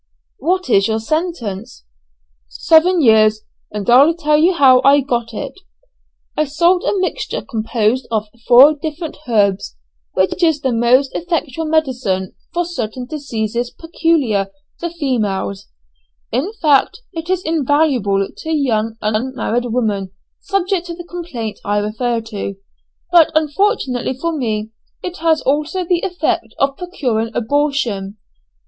"What is your sentence?" "Seven years, and I'll tell you how I got it. I sold a mixture composed of four different herbs, which is the most effectual medicine for certain diseases peculiar to females; in fact, it is invaluable to young unmarried women subject to the complaint I refer to, but, unfortunately for me, it has also the effect of procuring abortion.